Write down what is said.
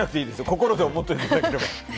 心で思っていただければ。